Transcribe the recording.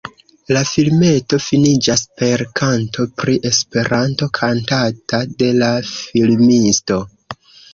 La filmeto finiĝas per kanto pri Esperanto, kantata de la filmisto.